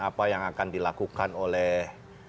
apa yang akan dilakukan oleh